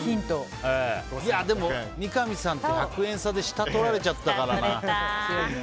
でも、三上さんと１００円差で下とられちゃったからな。